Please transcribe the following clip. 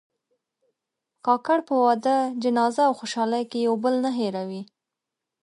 کاکړ په واده، جنازه او خوشحالۍ کې یو بل نه هېروي.